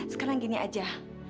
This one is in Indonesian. sekarang gini aja